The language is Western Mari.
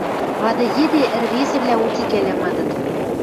Вады йӹде ӹӹрвезӹвлӓ утикӓлӓ мадыт.